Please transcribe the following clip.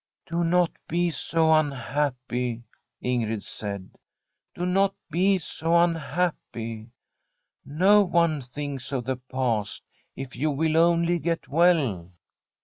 ' Do not be so unhappy/ Ing^d said. ' Do not be so unhappy. No one Uiinks of the past, if you will only get well.'